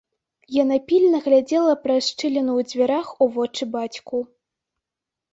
Яна пільна глядзела праз шчыліну ў дзвярах у вочы бацьку.